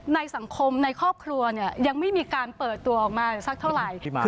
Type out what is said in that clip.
ในสังคมในครอบครัวเนี่ยยังไม่มีการเปิดตัวออกมาสักเท่าไหร่